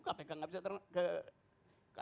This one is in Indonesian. kpk enggak bisa terangkan